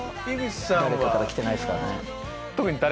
誰かから来てないっすかね？